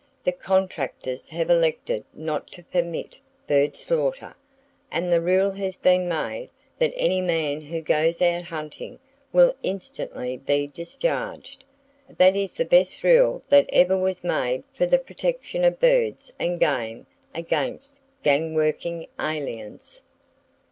The contractors have elected not to permit bird slaughter, and the rule has been made that any man who goes out hunting will instantly be discharged. That is the best rule that ever was made for the protection of birds and game against gang working aliens.